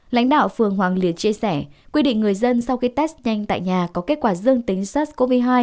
lãnh đạo phường hoàng liệt chia sẻ quy định người dân sau khi test nhanh tại nhà có kết quả dương tính sars cov hai